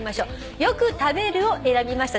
「よく食べる」を選びました